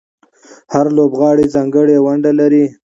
هر لوبغاړی ځانګړې ونډه لري.